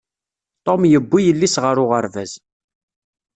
Tom yewwi yelli-s ɣer uɣerbaz.